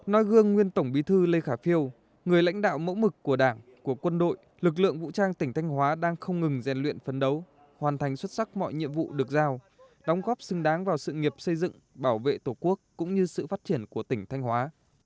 nói gương nguyên tổng bí thư lê khả phiêu người lãnh đạo mẫu mực của đảng của quân đội lực lượng vũ trang tỉnh thanh hóa đang không ngừng rèn luyện phấn đấu hoàn thành xuất sắc mọi nhiệm vụ được giao đóng góp xứng đáng vào sự nghiệp xây dựng bảo vệ tổ quốc cũng như sự phát triển của tỉnh thanh hóa